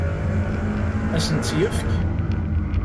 Ad asen-tt-yefk?